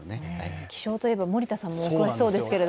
気象といえば森田さんもお詳しそうですけど。